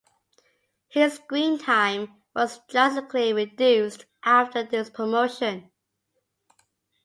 His screen time was drastically reduced after this promotion.